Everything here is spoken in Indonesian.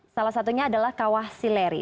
salah satunya adalah kawahsi leri